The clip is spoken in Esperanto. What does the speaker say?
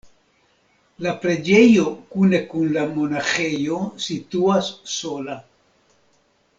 La preĝejo kune kun la monaĥejo situas sola.